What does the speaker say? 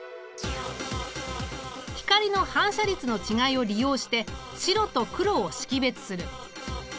光の反射率の違いを利用して白と黒を識別する。